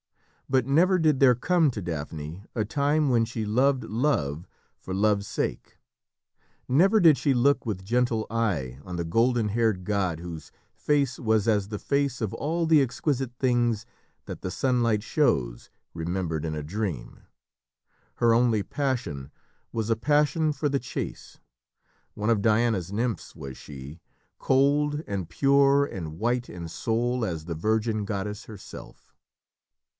But never did there come to Daphne a time when she loved Love for Love's sake. Never did she look with gentle eye on the golden haired god whose face was as the face of all the exquisite things that the sunlight shows, remembered in a dream. Her only passion was a passion for the chase. One of Diana's nymphs was she, cold and pure and white in soul as the virgin goddess herself.